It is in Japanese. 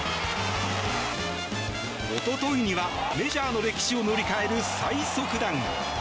一昨日には、メジャーの歴史を塗り替える最速弾。